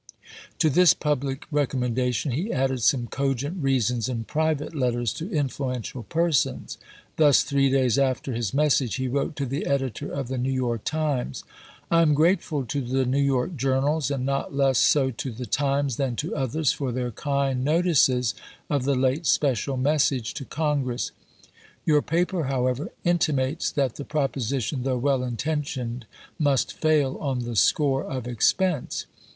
To this public recommendation he added some cogent reasons in private letters to influential per sons. Thus, three days after his message, he wrote to the editor of " The New York Times ": I am grateful to the New York journals, and not less so to the ^' Times" than to others, for their kind notices of the late special message to Congress. Your paper, however, intimates that the proposition, though weU intentioned, must faU on the score of expense.